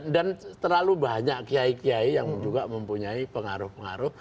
dan terlalu banyak kiai kiai yang juga mempunyai pengaruh pengaruh